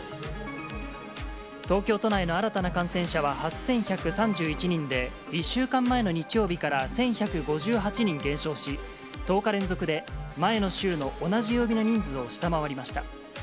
東京都内の新たな感染者は８１３１人で、１週間前の日曜日から１１５８人減少し、１０日連続で前の週の同じ曜日の人数を下回りました。